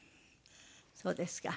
そうですか。